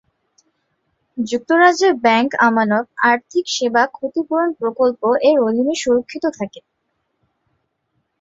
যুক্তরাজ্যে ব্যাংক আমানত "আর্থিক সেবা ক্ষতিপূরণ প্রকল্প-"এর অধীনে সুরক্ষিত থাকে।